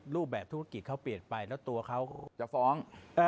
รูปแบบธุรกิจเขาเปลี่ยนไปแล้วตัวเขาจะฟ้อง